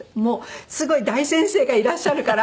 すごい大先生がいらっしゃるから。